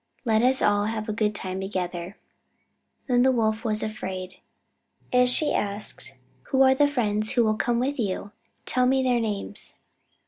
Let us all have a good time together." Then the Wolf was afraid, and she asked: "Who are the friends who will come with you? Tell me their names."